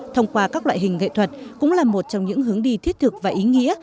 thông qua các loại hình nghệ thuật cũng là một trong những hướng đi thiết thực và ý nghĩa